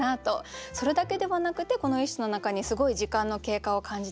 それだけではなくてこの一首の中にすごい時間の経過を感じて。